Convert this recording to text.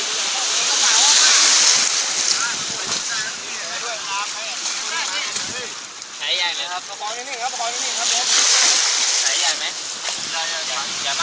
อย่ามั่งมั่งน่ะไปพัดเหลือทั้งเนอะไม่หินซักสิ้น